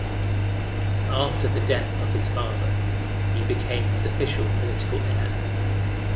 After the death of his father he became his official political heir.